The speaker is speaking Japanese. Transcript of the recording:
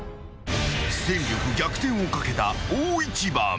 ［戦力逆転を懸けた大一番］